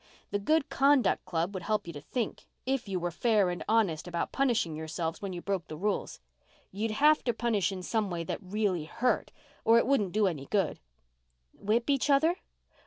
The Good Conduct Club would help you to think, if you were fair and honest about punishing yourselves when you broke the rules. You'd have to punish in some way that really hurt, or it wouldn't do any good." "Whip each other?"